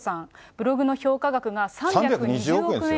ブログの評価額が３２０億円以上。